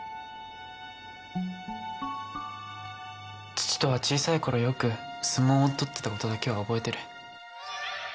父とは小さい頃よく相撲を取ってた事だけは覚えてる。